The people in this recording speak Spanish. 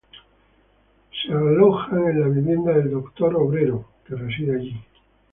Se alojan en la vivienda del doctor Obrero, que reside allí.